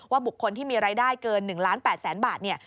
ว่าบุคคลที่มีรายได้เกิน๑๘๐๐๐๐๐บาทเนี่ย